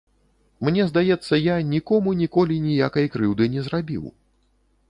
Мне здаецца, я нікому ніколі ніякай крыўды не зрабіў.